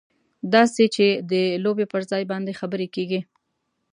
داسې چې د لوبې پر ځای باندې خبرې کېږي.